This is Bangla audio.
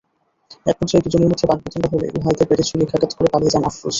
একপর্যায়ে দুজনের মধ্যে বাগবিতণ্ডা হলে ওয়াহিদের পেটে ছুরিকাঘাত করে পালিয়ে যান আফরোজ।